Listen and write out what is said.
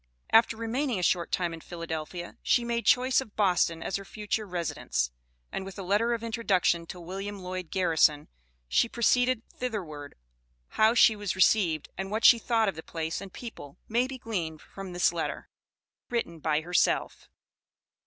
After remaining a short time in Philadelphia, she made choice of Boston as her future residence, and with a letter of introduction to William Lloyd Garrison, she proceeded thitherward. How she was received, and what she thought of the place and people, may be gleaned from this letter (written by herself.)